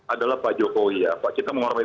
adalah pak jokowi ya pak cinta mengucapkan